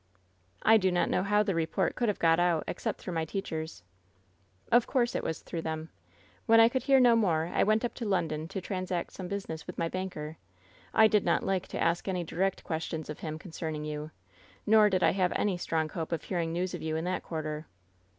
" ^I do not know how the report could have got out^ except through my teachers.* " 'Of course it was through them. When I could hear no more I went up to London to transact some business with my banker. I did not like to ask any direct ques tions of him concerning you ; nor did I have any strong hope of hearing news of you in that quarter.